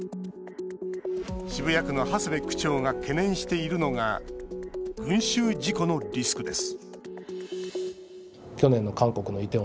渋谷区の長谷部区長が懸念しているのが群集事故のリスクです